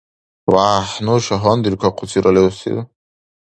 — ВяхӀ, нуша гьандиркахъусира левсив?